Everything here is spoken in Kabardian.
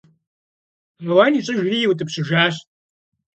Ауан ищӀыжри иутӀыпщыжащ.